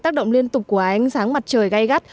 tác động liên tục của ánh sáng mặt trời gai gắt